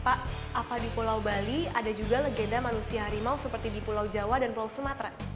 pak apa di pulau bali ada juga legenda manusia harimau seperti di pulau jawa dan pulau sumatera